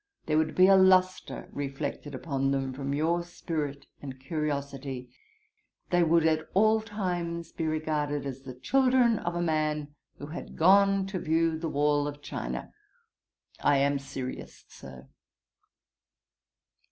There would be a lustre reflected upon them from your spirit and curiosity. They would be at all times regarded as the children of a man who had gone to view the wall of China. I am serious, Sir.'